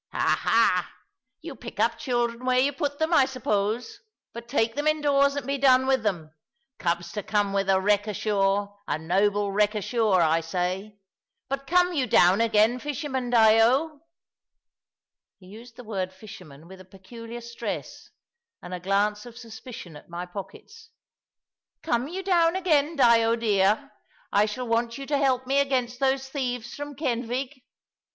"Ha, ha! you pick up children where you put them, I suppose. But take them indoors and be done with them. Cubs to come with a wreck ashore, a noble wreck ashore, I say! But come you down again, fisherman Dyo." He used the word "fisherman" with a peculiar stress, and a glance of suspicion at my pockets. "Come you down again, Dyo dear. I shall want you to help me against those thieves from Kenfig.